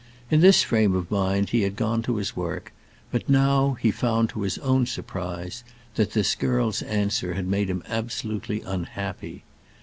In this frame of mind he had gone to his work; but now he found, to his own surprise, that this girl's answer had made him absolutely unhappy.